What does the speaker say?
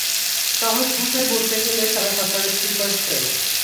সহজ ভাষায় বলতে গেলে তারা সরকারের স্লিপার সেল।